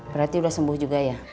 berarti sudah sembuh juga ya